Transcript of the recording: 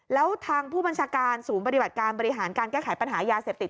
แล้วทางผู้บัญชาการศูนย์ปฏิบัติการบริหารการแก้ไขปัญหายาเสพติด